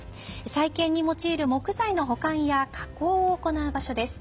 再建に用いる木材の保管や加工を行う場所です。